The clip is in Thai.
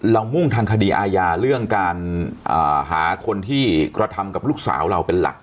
มุ่งทางคดีอาญาเรื่องการหาคนที่กระทำกับลูกสาวเราเป็นหลัก